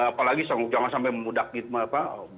apalagi jangan sampai memudak gitu